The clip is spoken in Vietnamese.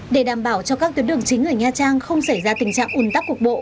để đảm bảo cho các tuyến đường chính ở nha trang không xảy ra tình trạng ủn tắc cục bộ